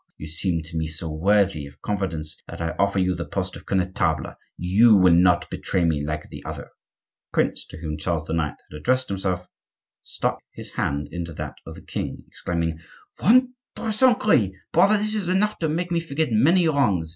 You seem to me so worthy of confidence that I offer you the post of connetable; you will not betray me like the other." The prince to whom Charles IX. had addressed himself, struck his hand into that of the king, exclaiming: "Ventre saint gris! brother; this is enough to make me forget many wrongs.